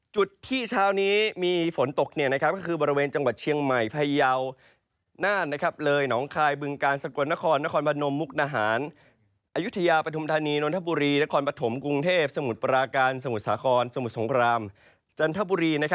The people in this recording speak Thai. จุดที่เช้านี้มีฝนตกก็คือบริเวณจังหวัดเชียงใหม่พยาวน่านเลยหนองคายบึงกาลสกลนครนครพนมมุกนาหารอายุทยาปฐุมธานีนนทบุรีนครปฐมกรุงเทพสมุทรปราการสมุทรสาครสมุทรสงครามจันทบุรี